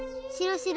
しろ。